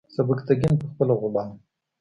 سبکتیګن پخپله غلام و.